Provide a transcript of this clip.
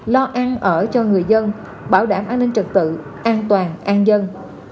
lo ăn ở cho người dân bảo đảm an ninh trật tự an toàn an dân